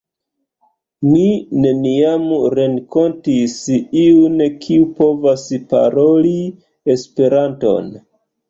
Mi neniam renkontis iun kiu povas paroli Esperanton.